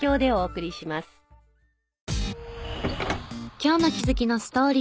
今日の気づきのストーリー。